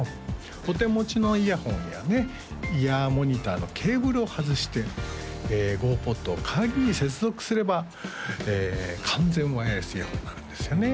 お手持ちのイヤホンやねイヤーモニターのケーブルを外してＧＯｐｏｄを代わりに接続すれば完全ワイヤレスイヤホンになるんですよね